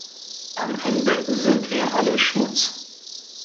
Am Ende sind wir alle Schmutz.